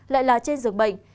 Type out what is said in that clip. lại là trên giường bệnh